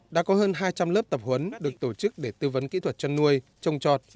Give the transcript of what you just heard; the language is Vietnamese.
đã có hơn hai trăm linh lớp tập huấn được tổ chức để tư vấn kỹ thuật chăn nuôi trồng trọt